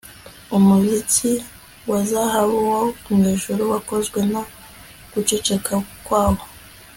Umuziki wa zahabu wo mwijuru wakozwe no guceceka kwabo